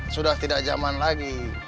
sudah tidak zaman lagi